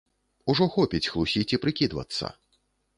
Ужо хопіць хлусіць і прыкідвацца!